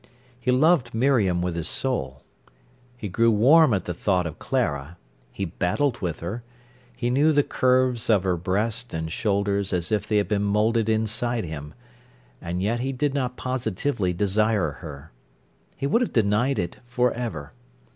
He loved Miriam with his soul. He grew warm at the thought of Clara, he battled with her, he knew the curves of her breast and shoulders as if they had been moulded inside him; and yet he did not positively desire her. He would have denied it for ever.